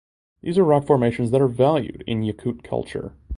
These are rock formations that are valued in Yakut culture.